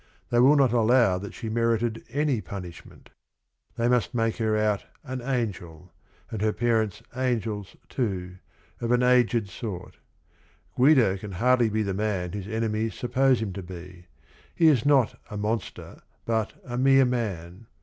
They will not allow that she merited any punishment. They must make her out an angel, and her parents angels too, " of an aged sort." Guido can hardly be the man his enemies suppose him to be. He is not a "monster" but a "mere man."